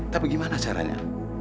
tapi gimana caranya